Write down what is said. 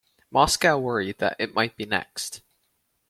Moscow worried that it might be next.